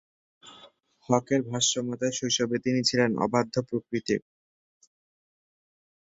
হকের ভাষ্যমতে শৈশবে তিনি ছিলেন অবাধ্য প্রকৃতির।